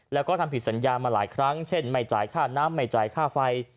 แล้วก็ทำผิดสัญญามาหลายครั้งเช่นไม่จ่ายค่าน้ำไม่จ่ายค่าไฟ